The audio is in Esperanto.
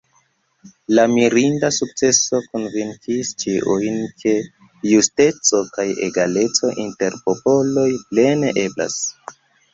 La mirinda sukceso konvinkis ĉiujn, ke justeco kaj egaleco inter popoloj plene eblas.